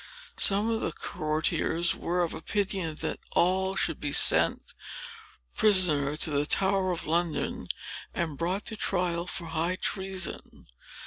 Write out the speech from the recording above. Some of the courtiers were of opinion that Noll should be sent prisoner to the Tower of London, and brought to trial for high treason.